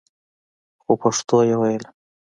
خو پښتو يې ويله.